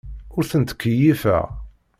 Ur ten-ttkeyyifeɣ.